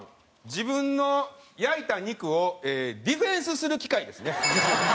自分の焼いた肉をディフェンスする機械ですね。